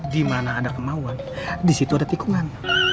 dimana ada kemauan disitu ada tikungan